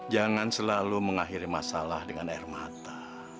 jangan selalu mengakhiri masalah dengan air mata